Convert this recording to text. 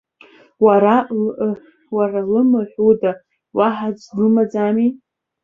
Уара, лымаҳә уда, уаҳа аӡәгьы длымаӡами?